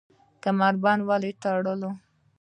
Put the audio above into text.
کمربند ولې وتړو؟